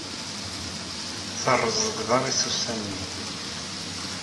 Teṛṛeẓ deg uḍaṛ-is ussan nni.